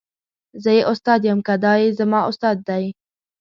زه یې استاد یم که دای زما استاد دی.